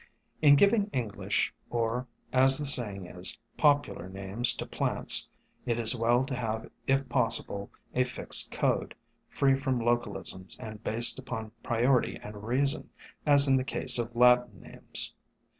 In giving English, or, as the saying is, popular names to plants, it is well to have if possible a fixed code, free from localisms and based upon pri ority and reason, as in the case of Latin names.